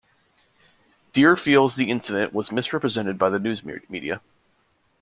Dear feels the incident was misrepresented by the news media.